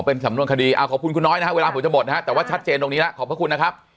เป็นสำนวนคดีขอบคุณคุณน้อยนะฮะเวลาผมจะหมดนะฮะแต่ว่าชัดเจนตรงนี้แล้วขอบพระคุณนะครับ